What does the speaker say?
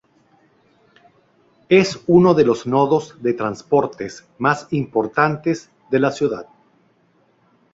Es uno de los nodos de transportes más importantes de la ciudad.